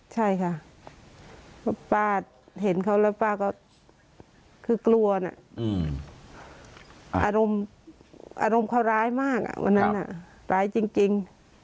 ใช่ค่ะป้าเห็นเขาแล้วป้าก็คือกลัวนะอารมณ์เขาร้ายมากวันนั้นร้ายจริง